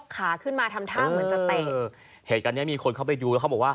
ขาขึ้นมาทำท่าเหมือนจะเตะเหตุการณ์เนี้ยมีคนเข้าไปดูแล้วเขาบอกว่า